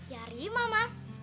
ya rima mas